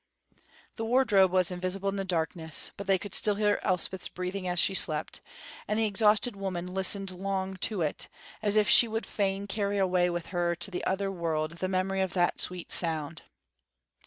The wardrobe was invisible in the darkness, but they could still hear Elspeth's breathing as she slept, and the exhausted woman listened long to it, as if she would fain carry away with her to the other world the memory of that sweet sound.